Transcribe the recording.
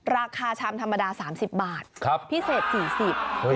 ชามธรรมดา๓๐บาทพิเศษ๔๐บาท